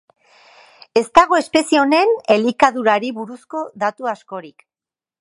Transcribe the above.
Ez dago espezie honen elikadurari buruzko datu askorik.